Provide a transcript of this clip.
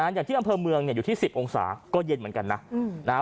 อย่างที่อำเภอเมืองอยู่ที่๑๐องศาก็เย็นเหมือนกันนะ